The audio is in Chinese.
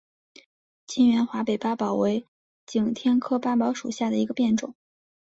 全缘华北八宝为景天科八宝属下的一个变种。